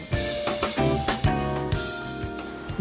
nah bagaimana juga bagaimana yang terjadi